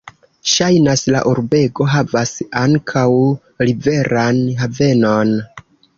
Ŝajnas, la urbego havas ankaŭ riveran havenon.